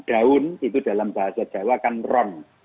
daun itu dalam bahasa jawa kan rom